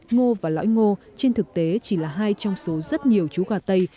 ngô và lõi ngô trên thực tế chỉ là hai trong số rất nhiều chú gà tây